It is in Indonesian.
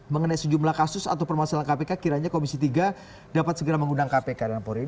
mengenai sejumlah kasus atau permasalahan kpk kiranya komisi tiga dapat segera mengundang kpk dan polri